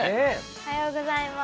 おはようございます。